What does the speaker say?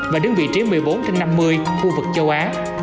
và đứng vị trí một mươi bốn trên năm mươi khu vực châu á